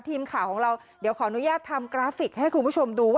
ทีมข่าวของเราเดี๋ยวขออนุญาตทำกราฟิกให้คุณผู้ชมดูว่า